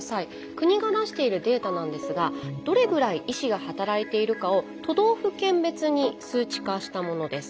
国が出しているデータなんですがどれぐらい医師が働いているかを都道府県別に数値化したものです。